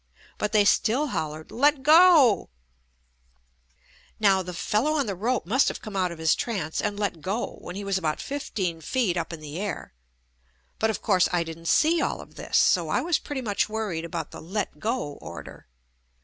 But they still hollered "Let go I" Now the fellow on the rope must have come out of his trance and let go when he was about fifteen feet up in the air. But of course I didn't see all of this, so I was pretty much worried about the "let go" order.